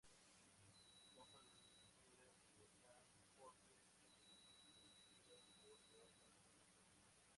Son palmeras de gran porte, distribuidas por todas las zonas tropicales.